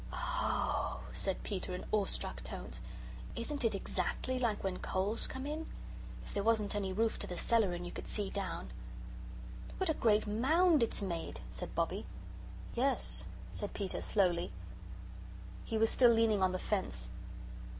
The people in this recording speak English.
"Oh," said Peter, in awestruck tones, "isn't it exactly like when coals come in? if there wasn't any roof to the cellar and you could see down." "Look what a great mound it's made!" said Bobbie. "Yes," said Peter, slowly. He was still leaning on the fence.